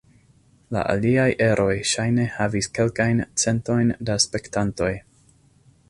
La aliaj eroj ŝajne havis kelkajn centojn da spektantoj.